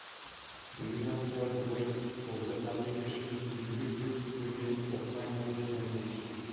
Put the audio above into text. The Houma tribe waits for their application to be reviewed again for final determination.